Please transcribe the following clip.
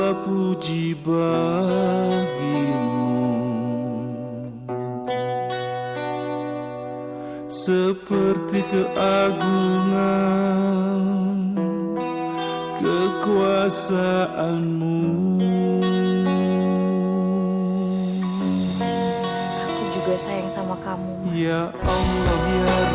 aku sama sekali tidak punya niat